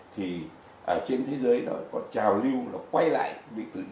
thì trên thế giới có trào lưu quay lại thuốc tự nhiên